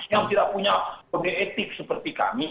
yang tidak punya kode etik seperti kami